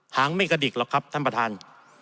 หางไม่กระดิกหรอกครับท่านประธาน